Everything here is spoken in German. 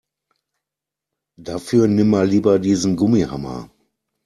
Dafür nimm mal lieber diesen Gummihammer.